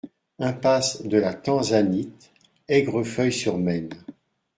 Impasse de la Tanzanite, Aigrefeuille-sur-Maine